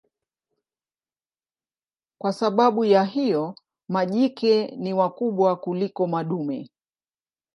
Kwa sababu ya hiyo majike ni wakubwa kuliko madume.